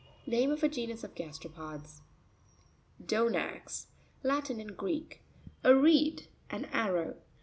Name of a genus of gasteropods (page 53). Do'nax.—Latin and Greek. A reed; an arrow.